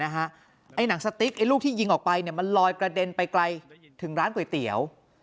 หนังสติ๊กไอ้ลูกที่ยิงออกไปมันลอยกระเด็นไปไกลถึงร้านก๋วยเตี๋ยว